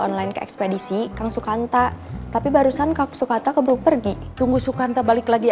online ke ekspedisi kang sukanta tapi barusan kak sukata ke belum pergi tunggu sukanta balik lagi